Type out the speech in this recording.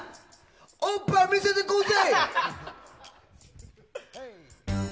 おっぱい見せてこうぜ！